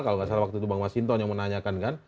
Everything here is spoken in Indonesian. kalau nggak salah waktu itu bang masinton yang menanyakan kan